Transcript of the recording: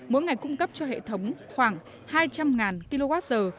mỗi ngày cung cấp cho hệ thống khoảng hai trăm linh kwh